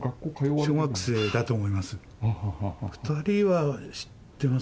小学生だと思います。